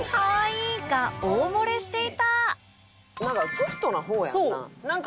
ソフトな方やんな。